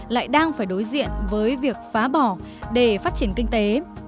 lại đang phải đối diện với việc phá bỏ để phát triển kinh tế